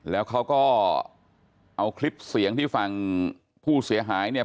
แล้วเขาก็เอาคลิปเสียงที่ฝั่งผู้เสียหายเนี่ย